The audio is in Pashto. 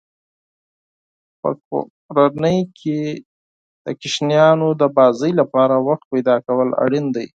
په کورنۍ کې د ماشومانو د لوبو لپاره وخت پیدا کول اړین دي.